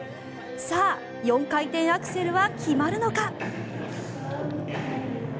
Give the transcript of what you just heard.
さあ、４回転アクセルは決まるのか？